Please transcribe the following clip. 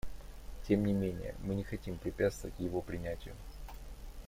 Тем не менее, мы не хотим препятствовать его принятию.